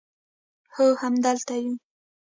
هو همدلته یو